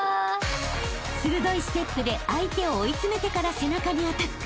［鋭いステップで相手を追い詰めてから背中にアタック。